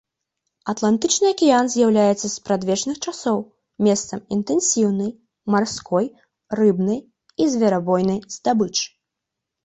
Атлантычны акіян з'яўляецца з спрадвечных часоў месцам інтэнсіўнага марской рыбнай і зверабойнай здабычы.